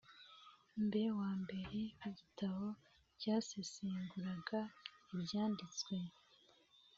mbe wa mbere w igitabo cyasesenguraga Ibyanditswe